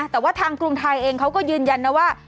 แต่ว่าทางกรุงไทยเองเขาก็ยืนยันนะว่า